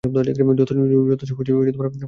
যতসব ফালতু বকবক।